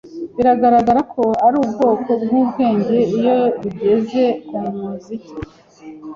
biragaragara ko ari ubwoko bwubwenge iyo bigeze kumuziki.